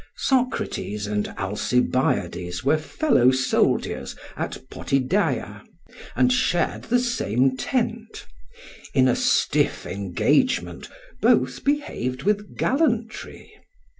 Socrates and Alcibiades were fellow soldiers at Potidaea and shared the same tent. In a stiff engagement both behaved with gallantry.